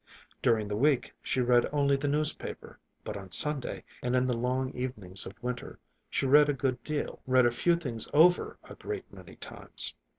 During the week she read only the newspaper, but on Sunday, and in the long evenings of winter, she read a good deal; read a few things over a great many times.